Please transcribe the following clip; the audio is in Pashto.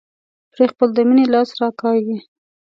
پرې خپل د مينې لاس راکاږي.